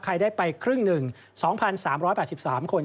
ใครได้ไปครึ่งหนึ่ง๒๓๘๓คน